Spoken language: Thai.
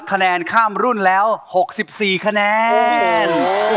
คะแนนข้ามรุ่นแล้ว๖๔คะแนน